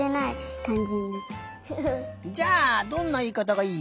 じゃあどんないいかたがいい？